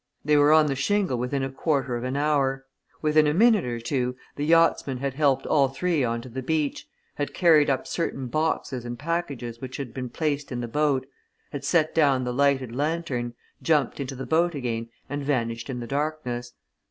They were on the shingle within a quarter of an hour; within a minute or two the yachtsmen had helped all three on to the beach, had carried up certain boxes and packages which had been placed in the boat, had set down the lighted lanthorn, jumped into the boat again and vanished in the darkness.